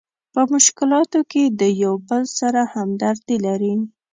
په مشکلاتو کې د یو بل سره همدردي لري.